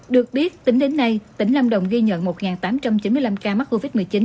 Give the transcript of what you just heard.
được biết tính đến nay tỉnh lâm đồng ghi nhận một tám trăm chín mươi năm ca mắc covid một mươi chín